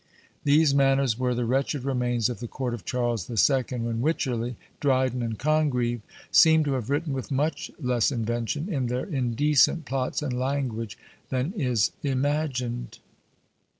These manners were the wretched remains of the court of Charles the Second, when Wycherley, Dryden, and Congreve seem to have written with much less invention, in their indecent plots and language, than is imagined.